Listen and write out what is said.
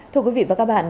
thưa quý vị và các bạn